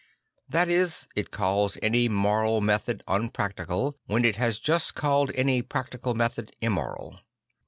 That is, it calls any moral method unprac tical, when it has just called any practical method immoral.